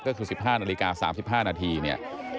ก็คือ๑๕นาฬิกา๓๕นาทีเนี่ย